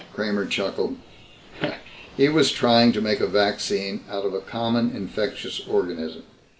Kramer chuckled. "He was trying to make a vaccine out of a common infectious organism.